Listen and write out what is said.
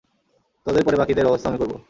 তোদের পরে বাকিদের ব্যবস্থাও আমি করবো।